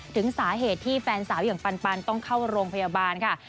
ถึงสาเหตุที่แฟนสาวอย่างปันต้องเข้าโรงพยาบาลค่ะ